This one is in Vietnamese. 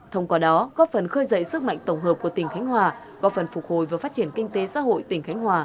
thông qua đó góp phần khơi dậy sức mạnh tổng hợp của tỉnh khánh hòa góp phần phục hồi và phát triển kinh tế xã hội tỉnh khánh hòa